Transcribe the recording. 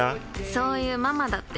そういうママだって。